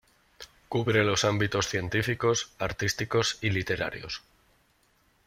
Cubre los ámbitos científicos, artísticos y literarios.